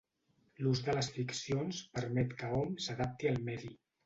L'ús de les ficcions permet que hom s'adapti al medi.